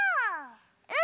うん！